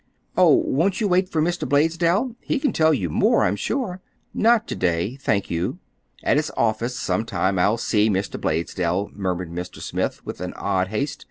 "Oh, won't you wait for Mr. Blaisdell? He can tell you more, I'm sure." "Not to day, thank you. At his office, some time, I'll see Mr. Blaisdell," murmured Mr. Smith, with an odd haste.